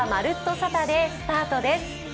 サタデー」スタートです。